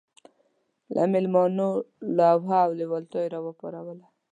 د مېلمنو لوهه او لېوالتیا یې راپاروله.